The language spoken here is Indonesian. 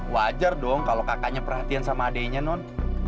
wajar dong kalau kakaknya perhatian sama adiknya non